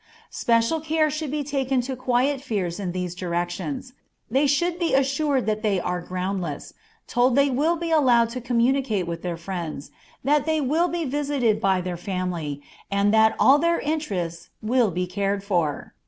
Special care should be taken to quiet fears in these directions; they should be assured that they are groundless, told they will be allowed to communicate with their friends, that they will be visited by their family, and that all their interests will be cared for.